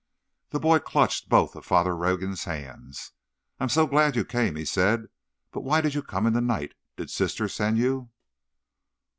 The boy clutched both of Father Rogan's hands. "I'm so glad you came," he said; "but why did you come in the night? Did sister send you?"